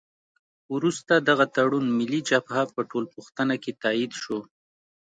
وروسته دغه تړون ملي جبهه په ټولپوښتنه کې تایید شو.